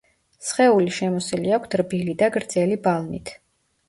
სხეული შემოსილი აქვთ რბილი და გრძელი ბალნით.